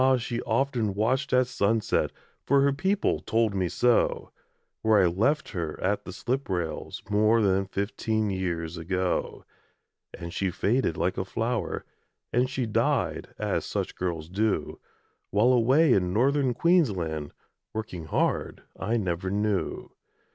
she often watched at sunset For her people told me so Where I left her at the slip rails More than fifteen years ago. And she faded like a flower, And she died, as such girls do, While, away in Northern Queensland, Working hard, I never knew.